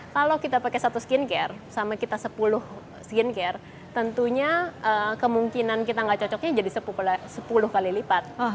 kalau kita pakai satu skincare sama kita sepuluh skincare tentunya kemungkinan kita nggak cocoknya jadi sepuluh kali lipat